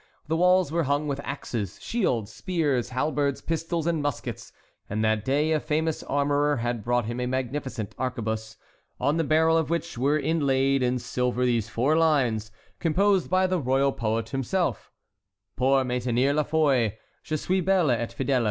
The walls were hung with axes, shields, spears, halberds, pistols, and muskets, and that day a famous armorer had brought him a magnificent arquebuse, on the barrel of which were inlaid in silver these four lines, composed by the royal poet himself: "Pour maintenir la foy, Je suis belle et fidèle.